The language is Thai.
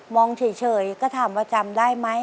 เฉยก็ถามว่าจำได้ไหม